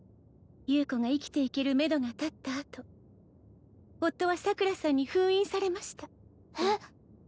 優子が生きていけるめどがたったあと夫は桜さんに封印されましたえっ？